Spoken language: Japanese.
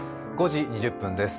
５時２０分です。